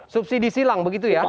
subsidi silang begitu ya